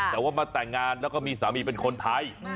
แต่ว่ามาแต่งงานแล้วก็มีสามีเป็นคนไทย